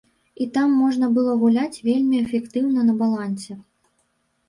І там можна было гуляць вельмі эфектыўна на балансе.